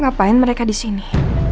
ngapain mereka disini